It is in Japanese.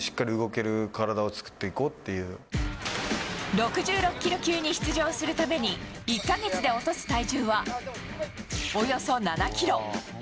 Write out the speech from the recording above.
６６ｋｇ級に出場するために１か月で落とす体重はおよそ７ｋｇ。